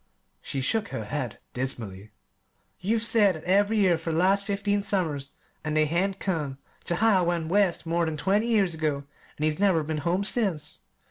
She shook her head dismally. "You've said that ev'ry year for the last fifteen summers, an' they hain't come yet. Jehiel went West more than twenty years ago, an' he's never been home since.